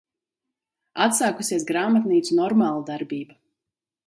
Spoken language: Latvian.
Atsākusies grāmatnīcu normāla darbība.